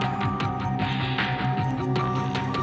โอ้โหมึงโอ้โหโอ้โห